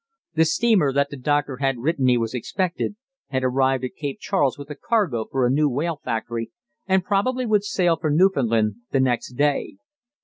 The steamer that the doctor had written me was expected had arrived at Cape Charles with a cargo for a new whale factory, and probably would sail for Newfoundland the next day.